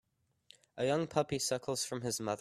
A young puppy suckles from his mother.